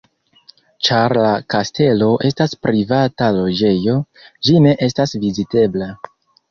Ĉar la kastelo estas privata loĝejo, ĝi ne estas vizitebla.